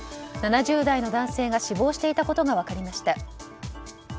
７０代の男性が死亡していたことが分かりました。